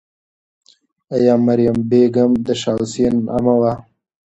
آیا مریم بیګم د شاه حسین عمه وه؟